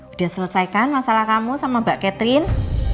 udah selesaikan masalah kamu sama mbak catherine